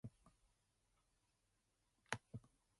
Residents protested against rising prices and unemployment.